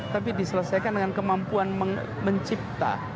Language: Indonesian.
tapi diselesaikan dengan kemampuan mencipta